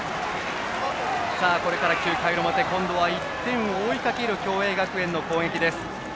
これから９回の表今度は１点を追いかける共栄学園の攻撃です。